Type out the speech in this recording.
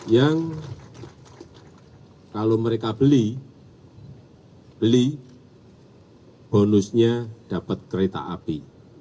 yang kalau mereka beli beli bonusnya dapat kereta api